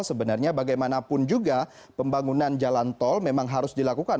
sebenarnya bagaimanapun juga pembangunan jalan tol memang harus dilakukan